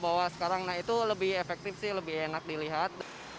nah sekarang itu lebih efektif sih lebih enak dilihat